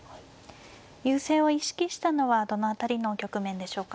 優勢を意識したのはどの辺りの局面でしょうか。